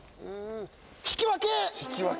引き分け？